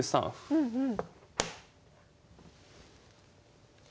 うんうん。